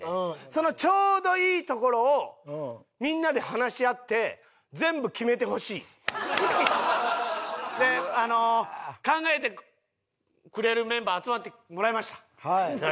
そのちょうどいいところをみんなで話し合ってであの考えてくれるメンバー集まってもらいました。